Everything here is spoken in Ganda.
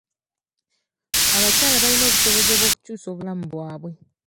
Abakyala balina obusobozi bw'okukyusa obulamu bwabwe.